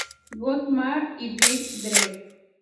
Gong" Marley y Dr. Dre.